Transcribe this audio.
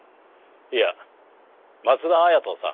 いや松田綾人さん。